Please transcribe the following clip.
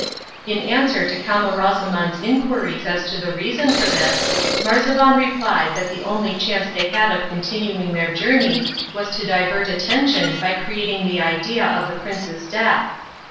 In answer to Camaralzaman's inquiries as to the reason for this, Marzavan replied that the only chance they had of continuing their journey was to divert attention by creating the idea of the prince's death.